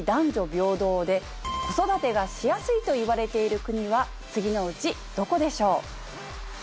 平等で子育てがしやすいといわれている国は次のうちどこでしょう？